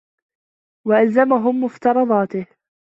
وَأَلْزَمَهُمْ مُفْتَرَضَاتِهِ